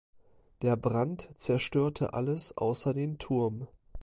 Der Brand zerstörte alles außer den Turm.